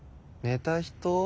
寝た人？